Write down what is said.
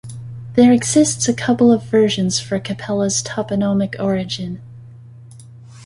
There exists a couple of versions for Capela's toponomic origin.